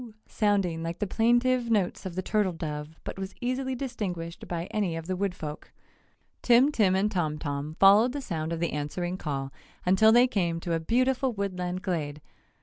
sounding like the plaintive notes of the turtle dove but was easily distinguished by any of the woodfolk. Tim Tim and Tom Tom followed the sound of the answering call until they came to a beautiful woodland glade.